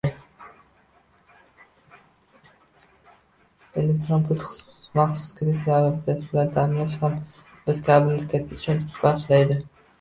Elektro-pultli maxsus kreslo aravachasi bilan taʼminlanish ham biz kabilarga katta ishonch, kuch bagʻishlaydi.